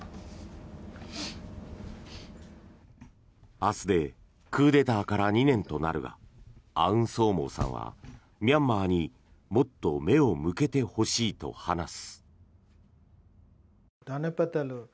明日でクーデターから２年となるがアウンソーモーさんはミャンマーにもっと目を向けてほしいと話す。